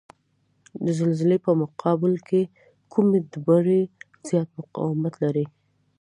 د زلزلې په مقابل کې کومې ډبرې زیات مقاومت لري؟